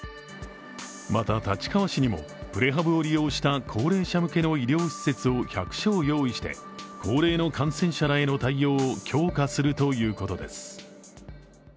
また立川市にもプレハブを利用した高齢者向けの医療施設を１００床用意して、高齢の感染者らへの対応を強化するということです。